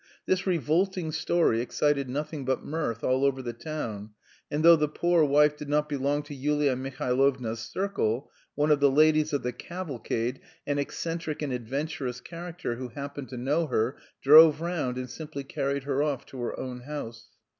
This revolting story excited nothing but mirth all over the town, and though the poor wife did not belong to Yulia Mihailovna's circle, one of the ladies of the "cavalcade," an eccentric and adventurous character who happened to know her, drove round, and simply carried her off to her own house.